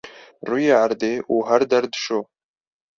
rûyê erdê û her der dişo.